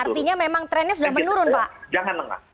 artinya memang trennya sudah menurun pak